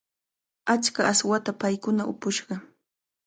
Achka aswata paykuna upushqa.